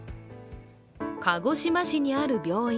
鹿児島市にある病院。